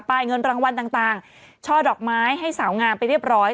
เงินรางวัลต่างช่อดอกไม้ให้สาวงามไปเรียบร้อย